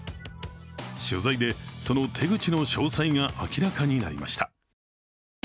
取材でその手口の詳細が明らかになりました。